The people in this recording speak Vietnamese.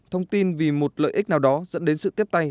thông tin vì một lợi ích nào đó dẫn đến sự tiếp tay